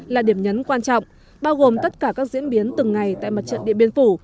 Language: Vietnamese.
là điểm nhấn quan trọng bao gồm tất cả các diễn biến từng ngày tại mặt trận địa biên phủ